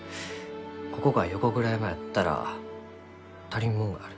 ここが横倉山やったら足りんもんがある。